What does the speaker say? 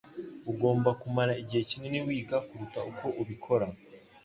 Ugomba kumara igihe kinini wiga kuruta uko ubikora.